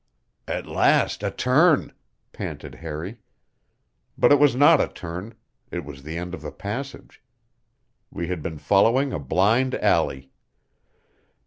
"At last, a turn!" panted Harry. But it was not a turn. It was the end of the passage. We had been following a blind alley.